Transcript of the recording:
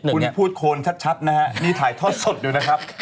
คุณพูดโคนชัดนะฮะนี่ถ่ายทอดสดอยู่นะครับ